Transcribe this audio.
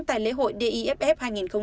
tại lễ hội diff hai nghìn hai mươi bốn